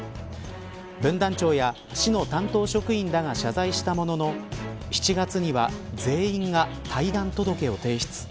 分団長や市の担当職員らが謝罪したものの７月には全員が退団届けを提出。